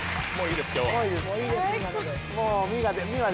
もういいです。